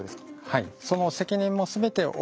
はい。